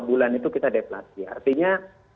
bulan itu kita deflasi artinya